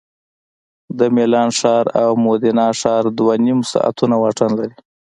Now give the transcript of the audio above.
د میلان ښار او مودینا ښار دوه نیم ساعتونه واټن لري